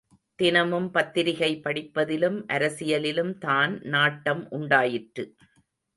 தினமும் பத்திரிகை படிப்பதிலும் அரசியலிலும் தான் நாட்டம் உண்டாயிற்று.